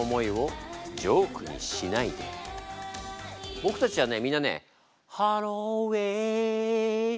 僕たちはねみんなね。